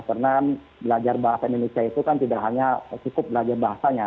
karena belajar bahasa indonesia itu kan tidak hanya cukup belajar bahasanya